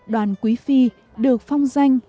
đoàn quý phi được phong danh